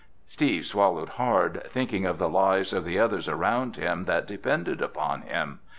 Steve swallowed hard, thinking of the lives of the others around him that depended upon him.